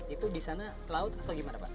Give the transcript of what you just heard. itu di sana laut atau gimana pak